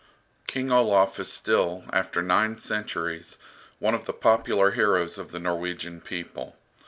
King Olaf is still, after nine centuries, one of the popular heroes of the Norwegian people.